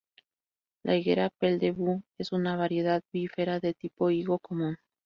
La higuera 'Pel de Bou' es una variedad "bífera" de tipo higo común.